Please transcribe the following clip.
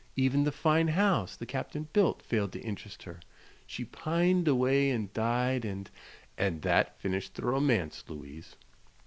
Even the fine house the Captain built failed to interest her. She pined away and died, and " "And that finished the romance, Louise."